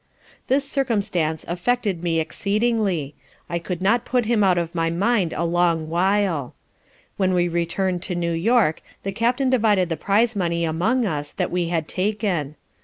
This circumstance affected me exceedingly, I could not put him out of my mind a long while. When we return'd to New York the Captain divided the prize money among us, that we had taken.